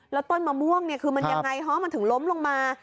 แล้วต้นมะม่วงเนี่ยคือมันยังไงฮะมันถึงล้มลงมา